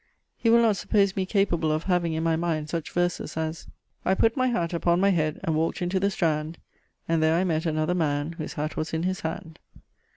He will not suppose me capable of having in my mind such verses, as "I put my hat upon my head And walk'd into the Strand; And there I met another man, Whose hat was in his hand."